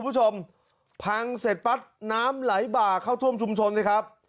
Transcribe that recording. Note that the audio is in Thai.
พังเสร็จปัดน้ำไหลบ่าเข้าทวมชุมชนสิครับ